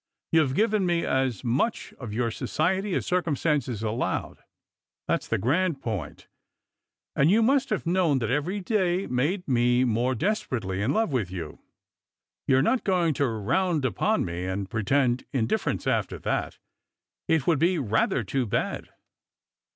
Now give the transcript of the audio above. You've given me as much of your society as circumstances allowed — that's the grand point — and you must have known that every day made me more desperately in love with you. You're not going to round upon me and pretend indifference after that. It would be rather too bad."